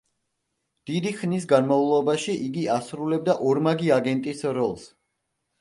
დიდი ხნის განმავლობაში იგი ასრულებდა ორმაგი აგენტის როლს.